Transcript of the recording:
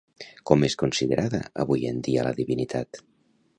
Com és considerada avui en dia la divinitat?